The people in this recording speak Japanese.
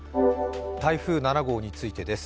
台風７号についてです。